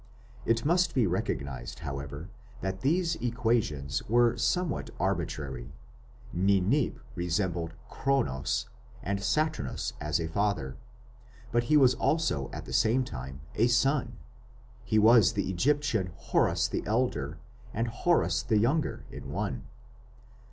It must be recognized, however, that these equations were somewhat arbitrary. Ninip resembled Kronos and Saturnus as a father, but he was also at the same time a son; he was the Egyptian Horus the elder and Horus the younger in one.